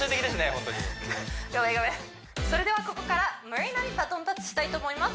ホントにそれではここからまりなにバトンタッチしたいと思います